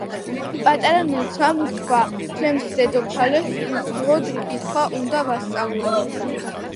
პატარა ნუცამ თქვაჩემს დედოფალებს უთუოდ კითხვა უნდა ვასწავლოო.